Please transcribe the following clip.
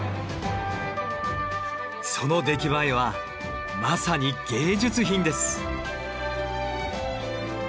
その出来栄えはまさに芸術品です。